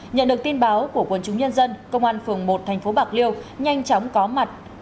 nhận được tin báo của quân chúng nhân dân công an phường một thành phố bạc liêu nhanh chóng có mặt